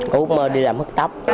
cô mơ đi làm hức tóc